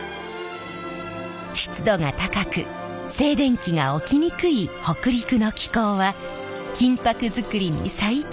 湿度が高く静電気が起きにくい北陸の気候は金箔作りに最適。